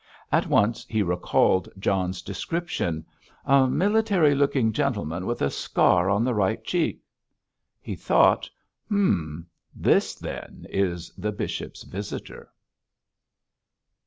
At once he recalled John's description 'A military looking gentleman with a scar on the right cheek.' He thought, 'Hum! this, then, is the bishop's visitor.'